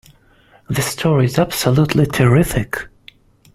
This story is absolutely terrific!